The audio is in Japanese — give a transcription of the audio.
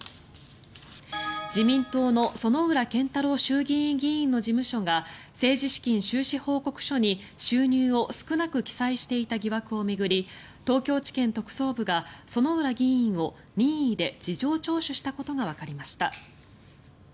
自民党の薗浦健太郎衆議院議員の事務所が政治資金収支報告書に収入を少なく記載していた疑惑を巡り東京地検特捜部が薗浦議員を任意で事情聴取したことがわかりました。